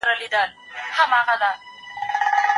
زه به د هنرونو تمرين کړی وي.